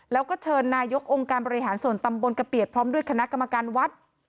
แล้วก็เชิญนายกองค์การบริหารส่วนตำบลกระเปียดพร้อมด้วยคณะกรรมการวัด